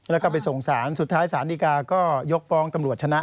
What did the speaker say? แล้วก็ไปส่งสารสุดท้ายศาลดีกาก็ยกฟ้องตำรวจชนะ